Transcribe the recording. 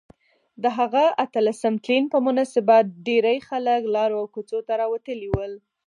د هغه اتلسم تلین په مناسبت ډیرۍ خلک لارو او کوڅو ته راوتلي ول